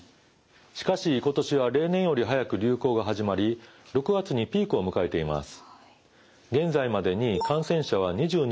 しかし今年は例年より早く流行が始まり６月にピークを迎えています。